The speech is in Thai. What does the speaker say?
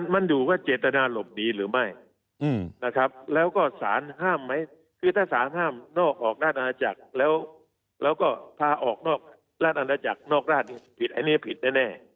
มันอยู่ว่าเจตนาหลบหนีหรือไม่นะครับแล้วก็สารห้ามไหมคือถ้าสารห้ามนอกออกราชอาณาจักรแล้วก็พาออกนอกราชอาณาจักรนอกราชผิดอันนี้ผิดแน่